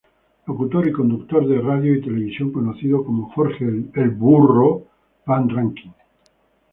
Locutor y conductor de radio y televisión conocido como 'Jorge "El Burro" Van Rankin'.